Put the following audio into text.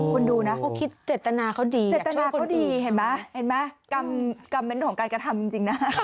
คุณดูนะเขาคิดเจตนาเขาดีเจตนาเขาดีเห็นไหมเห็นไหมคอมเมนต์ของการกระทำจริงนะ